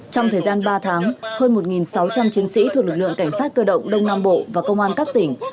trong thời gian ba tháng hơn một sáu trăm linh chiến sĩ thuộc lực lượng cảnh sát cơ động đông nam bộ và công an các tỉnh